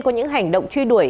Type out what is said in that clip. có những hành động truy đuổi